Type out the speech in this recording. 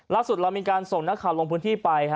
เรามีการส่งนักข่าวลงพื้นที่ไป